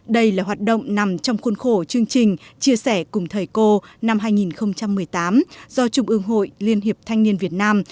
đây là hoạt động nằm trong khuôn khổ chương trình chia sẻ cùng thầy cô năm hai nghìn một mươi tám do trung ương hội liên hiệp thanh niên việt nam